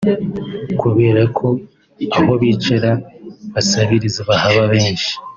Kubera ko aho bicara basabiriza bahaba benshi